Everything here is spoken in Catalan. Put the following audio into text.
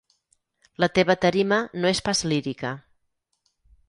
La teva tarima no és pas lírica.